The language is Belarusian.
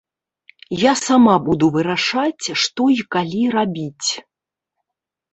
Я сама буду вырашаць, што і калі рабіць.